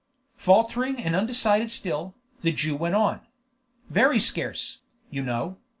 Faltering and undecided still, the Jew went on. "Very scarce, you know.